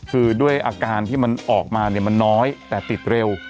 คือด้วยอาการที่มันออกมาเนี่ยมันน้อยแต่ติดเร็ว